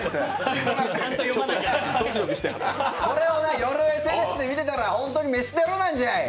これを夜ＳＮＳで見てたら本当に飯テロなんや。